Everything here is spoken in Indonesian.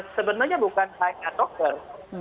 sebenarnya bukan hanya dokter